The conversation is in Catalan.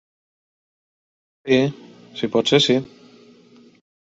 Sí, si pot ser sí.